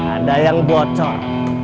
ada yang bocor